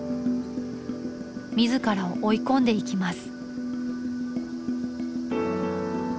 自らを追い込んでいきます。